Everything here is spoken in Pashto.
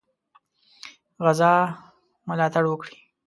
غزا ملاتړ وکړي.